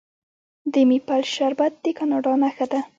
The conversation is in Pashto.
د میپل شربت د کاناډا نښه ده.